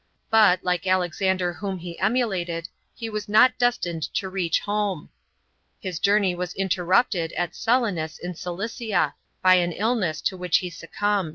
But, like Alexander whom he emulated, he was not destined to reach ijonie. His journey was in errupted at Selinus in Cilioa,* by an illness to which he * At Seleucia, In laauria.